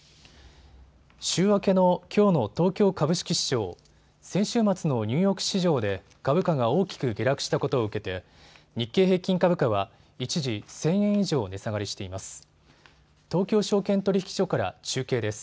週明けのきょうの東京株式市場、先週末のニューヨーク市場で株価が大きく下落したことを受けて日経平均株価は一時、１０００円以上値下がりしています。